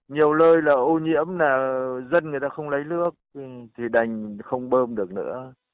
nhiều lơi là ô nhiễm là dân người ta không lấy nước thì đành không bơm được nữa